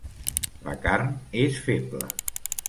La carn és feble.